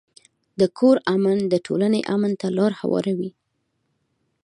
د کور امن د ټولنې امن ته لار هواروي.